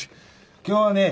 今日はね